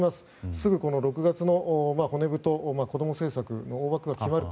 すぐ６月の骨太こども政策の大枠が決まる。